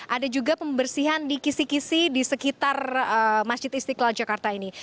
ada juga pembersihan di kisi kisi di sekitar masjid istiqlal jakarta ini